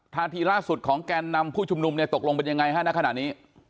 ทีล่าสุดของแกนนำผู้ชุมนุมเนี่ยตกลงเป็นยังไงฮะณขณะนี้